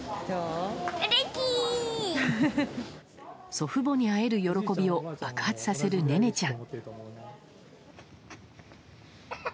祖父母に会える喜びを爆発させる寧音ちゃん。